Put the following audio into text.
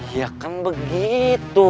iya kan begitu